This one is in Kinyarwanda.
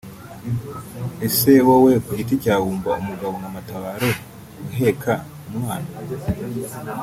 Ese wowe ku giti cyawe wumva umugabo nka Matabaro uheka umwana